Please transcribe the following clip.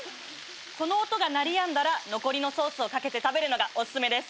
この音が鳴りやんだら残りのソースを掛けて食べるのがお薦めです。